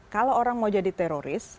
kalau orang mau jadi teroris